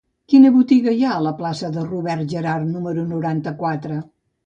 Quina botiga hi ha a la plaça de Robert Gerhard número noranta-quatre?